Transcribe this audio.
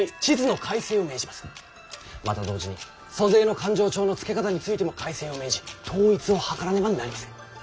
また同時に租税の勘定帳のつけ方についても改正を命じ統一を図らねばなりません。